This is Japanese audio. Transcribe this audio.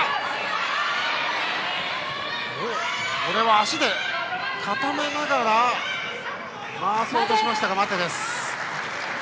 足で固めながら回そうとしましたが待てです。